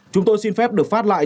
chúng tôi xin phép được phát lại